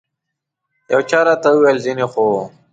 یو چا راته وویل ځینې خو.